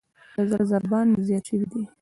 د زړه ضربان مې زیات شوئ دی.